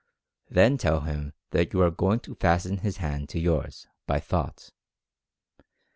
Then tell him that you are going to fasten his hand to yours by Thought.